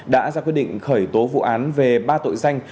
đã ra quyết định khởi tố vụ án về ba tội danh